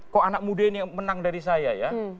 kok anak muda ini menang dari saya ya